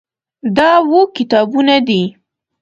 دا اووه کتابونه دي.